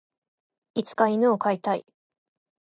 いつか犬を飼いたい。